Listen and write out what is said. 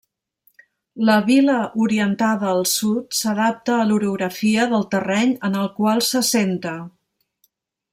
La vila orientada al sud s'adapta a l'orografia del terreny en el qual s'assenta.